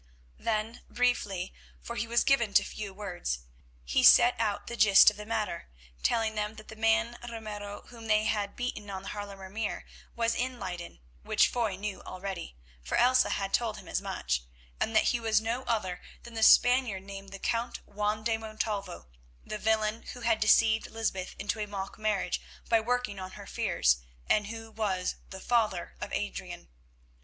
Then, briefly, for he was given to few words, he set out the gist of the matter, telling them that the man Ramiro whom they had beaten on the Haarlemer Meer was in Leyden, which Foy knew already, for Elsa had told him as much, and that he was no other than the Spaniard named the Count Juan de Montalvo, the villain who had deceived Lysbeth into a mock marriage by working on her fears, and who was the father of Adrian.